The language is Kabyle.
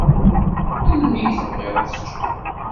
Melmi i tebɣiḍ ad teččeḍ?